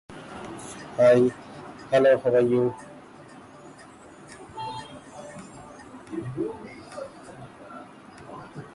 Michael Psellus later compares him with, and even prefers him to, Euripides.